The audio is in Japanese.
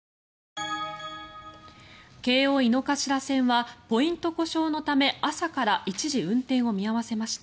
京王井の頭線はポイント故障のため朝から一時運転を見合わせました。